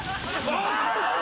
おい！